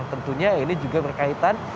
dan tentunya ini juga berkaitan